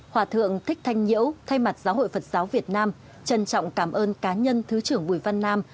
hòa thượng thích thanh nhiễu thay mặt giáo hội phật giáo việt nam trân trọng cảm ơn cá nhân thứ trưởng bùi văn nam